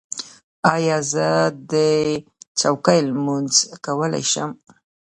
ایا زه په چوکۍ لمونځ کولی شم؟